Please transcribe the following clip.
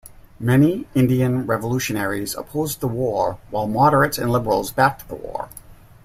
Many Indian revolutionaries opposed the war, while moderates and liberals backed the war.